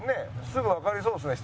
すぐわかりそうですね